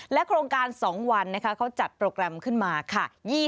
โครงการ๒วันนะคะเขาจัดโปรแกรมขึ้นมาค่ะ